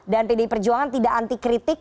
dan pdi perjuangan tidak anti kritik